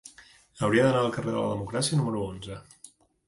Hauria d'anar al carrer de la Democràcia número onze.